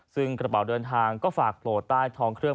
ซึ่งกระเป๋าเดินทางก็ฝากโปรดใต้ท้องเครื่อง